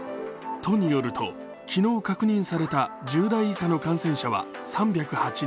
都によると、昨日確認された１０代以下の感染者は３０８人。